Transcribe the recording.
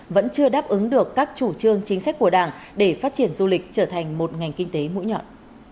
vẫn chưa đáp ứng được các chủ trương chính sách của đảng để phát triển du lịch trở thành một ngành kinh tế mũi nhọn